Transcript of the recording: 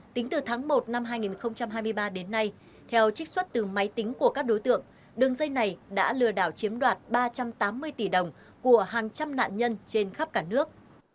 tính từ tháng một năm hai nghìn hai mươi ba đến nay theo trích xuất từ máy tính của các đối tượng đường dây này đã lừa đảo chiếm đoạt ba trăm tám mươi tỷ đồng của hàng trăm nạn nhân trên khắp cả nước